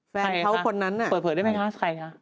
แฟนเขาคนนั้นเปิดเผยได้ไหมคะใครคะ